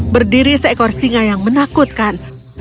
berdiri seekor singa yang menakutkan